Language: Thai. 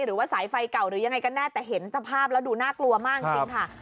หรือว่าสายไฟเก่าหรือยังไงกันแน่แต่เห็นสภาพแล้วดูน่ากลัวมากจริงค่ะ